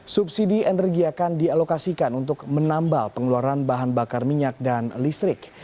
subsidi energi akan dialokasikan untuk menambal pengeluaran bahan bakar minyak dan listrik